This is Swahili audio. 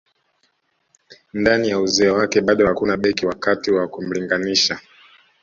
Ndani ya uzee wake bado hakuna beki wa kati wa kumlinganisha